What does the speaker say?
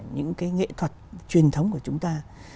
những cái nghệ thuật truyền thống của chúng ta